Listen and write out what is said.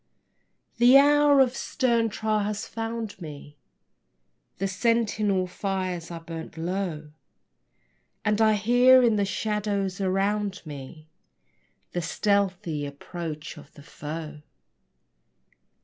The hour of stern trial has found me: The sentinel fires are burnt low, And I hear in the shadows around me The stealthy approach of the foe.